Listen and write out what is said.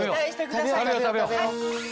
食べよう食べよう！